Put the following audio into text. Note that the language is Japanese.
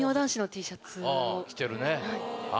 着てるね。